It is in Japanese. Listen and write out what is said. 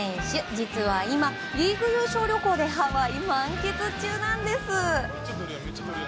実は今、リーグ優勝旅行でハワイ満喫中なんです！